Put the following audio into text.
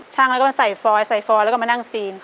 ชั่งแล้วก็มาใส่ฟอร์ดใส่ฟอร์ดแล้วก็มานั่งซีน